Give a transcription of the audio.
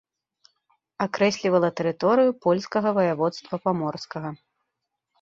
Акрэслівала тэрыторыю польскага ваяводства паморскага.